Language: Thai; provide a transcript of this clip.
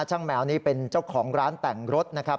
แมวนี่เป็นเจ้าของร้านแต่งรถนะครับ